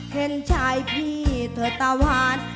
เห็นชายพี่เธอตาหวาน